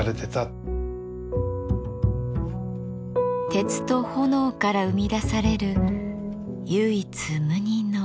鉄と炎から生み出される唯一無二の芸術です。